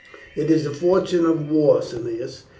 "It is the fortune of war, Cneius.